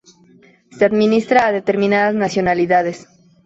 Se administra a determinadas nacionalidades".